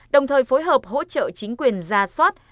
đồng thời phối hợp hỗ trợ chính quyền ra soát